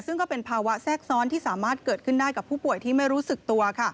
ซึ่งก็เป็นภาวะแทรกซ้อนที่สามารถเกิดขึ้นได้กับผู้ป่วยที่ไม่รู้สึกตัว